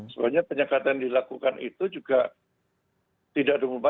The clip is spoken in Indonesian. soalnya penyekatan dilakukan itu juga